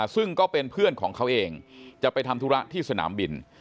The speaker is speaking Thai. ซึ่งก็เป็นเพื่อนของเขาเองจะไปทำธุระที่สนามบิน